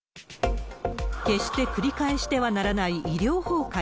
決して繰り返してはならない医療崩壊。